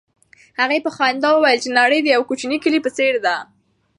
هغې په خندا وویل چې نړۍ د یو کوچني کلي په څېر ده.